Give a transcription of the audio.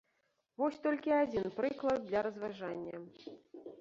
Вось толькі адзін прыклад для разважання.